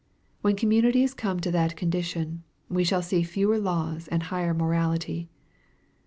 When communities come to that condition, we shall see fewer laws and higher morality.